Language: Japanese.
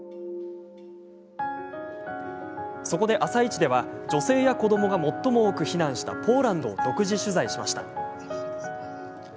そこで「あさイチ」では女性や子どもが最も多く避難したポーランドを独自取材しました。